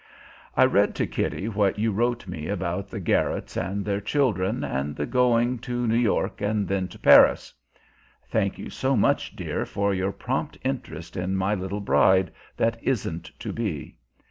I read to Kitty what you wrote me about the Garretts and their children, and the going to New York and then to Paris. (Thank you so much, dear, for your prompt interest in my little bride that isn't to be!)